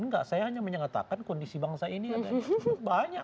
nggak saya hanya menyatakan kondisi bangsa ini ada banyak